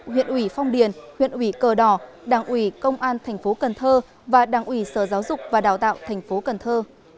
huyện ủy phong điền huyện ủy cờ đỏ đảng ủy công an tp cần thơ và đảng ủy sở giáo dục và đào tạo tp cần thơ